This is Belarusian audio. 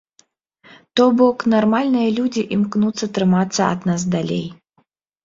То бок, нармальныя людзі імкнуцца трымацца ад нас далей.